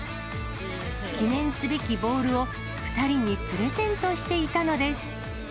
記念すべきボールを、２人にプレゼントしていたのです。